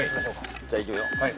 じゃあいくよ。